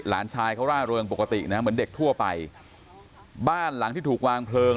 หลานชายเขาร่าเริงปกตินะเหมือนเด็กทั่วไปบ้านหลังที่ถูกวางเพลิง